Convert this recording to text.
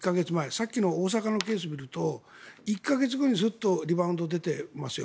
さっきの大阪のケースを見ると１か月後に、スッとリバウンド出ていますよ。